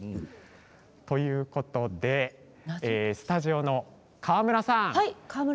ということでスタジオの川村さん